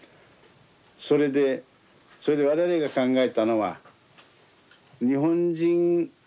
それでそれで我々が考えたのは日本人日本人側からね